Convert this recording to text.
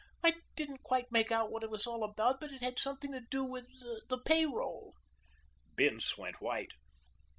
I didn't quite make out what it was all about, but it had something to do with the pay roll." Bince went white.